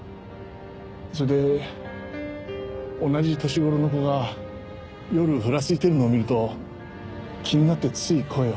それで同じ年頃の子が夜ふらついてるのを見ると気になってつい声を。